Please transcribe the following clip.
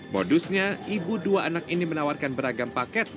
modusnya ibu dua anak ini menawarkan beragam paket